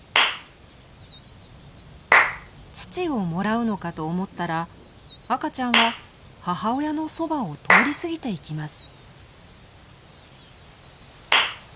乳をもらうのかと思ったら赤ちゃんは母親のそばを通り過ぎていきます。